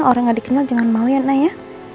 orang nggak dikenal jangan malu ya enaknya